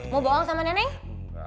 mau bohong sama nenek